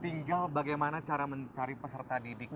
tinggal bagaimana cara mencari peserta didik